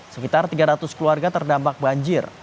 sekitar tiga ratus keluarga terdampak banjir